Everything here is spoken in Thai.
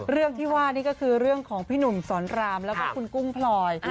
เรื่องที่ว่านี่ก็คือเรื่องของพี่หนุ่มสอนรามแล้วก็คุณกุ้งพลอย